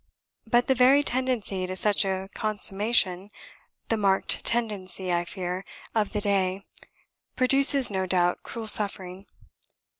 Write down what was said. But the very tendency to such a consummation the marked tendency, I fear, of the day produces, no doubt, cruel suffering.